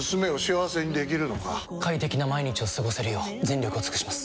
快適な毎日を過ごせるよう全力を尽くします！